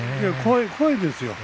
怖いですよ